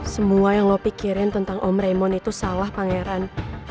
semua yang lo pikirin tentang om remon itu salah pangeran